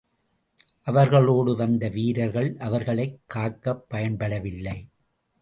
அவர்களோடு வந்த வீரர்கள் அவர்களைக் காக்கப் பயன்படவில்லை.